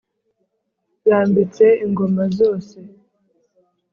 yambitse ingoma zose